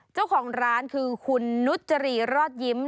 เจ้าของร้านคือคุณนุจรีรอดยิ้ม